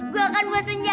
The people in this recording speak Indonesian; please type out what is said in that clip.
gue akan buat senjata